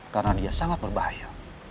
karena dia sangat berbahaya